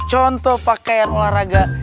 contoh pakaian olahraga